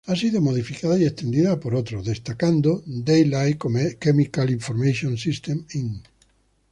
Ha sido modificada y extendida por otros, destacando Daylight Chemical Information Systems Inc.